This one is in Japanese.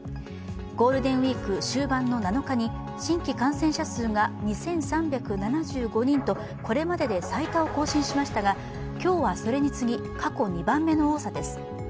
ゴールデンウイーク終盤の７日に新規感染者数が２３７５人とこれまでで最多を更新しましたが、今日はそれに次ぎ、過去２番目の多さです。